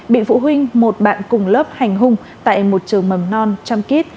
bị phụ huynh một bạn cùng lớp hành hung tại một trường mầm non trăm kít